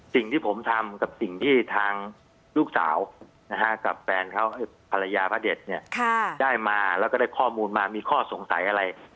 สิ่งที่ผมทำกับสิ่งที่ทางลูกสาวกับแฟนเขาภรรยาพระเด็ดเนี่ยได้มาแล้วก็ได้ข้อมูลมามีข้อสงสัยอะไร